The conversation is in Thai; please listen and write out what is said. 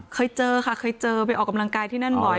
เคยเจอค่ะเคยเจอไปออกกำลังกายที่นั่นบ่อย